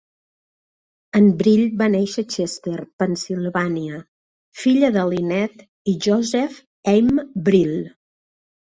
En Brill va néixer a Chester, Pennsilvània, filla de Linette i Joseph M. Brill.